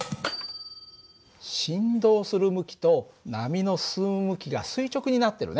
振動する向きと波の進む向きが垂直になってるね。